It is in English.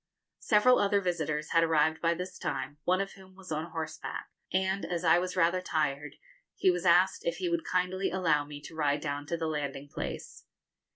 Several other visitors had arrived by this time, one of whom was on horseback, and, as I was rather tired, he was asked if he would kindly allow me to ride down to the landing place.